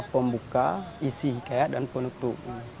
pembuka isi hikayat dan penutup